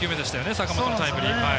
坂本のタイムリー。